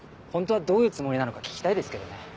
本当はどういうつもりなのか聞きたいですけどね。